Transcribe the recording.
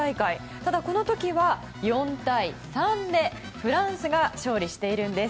ただ、この時は４対３でフランスが勝利しているんです。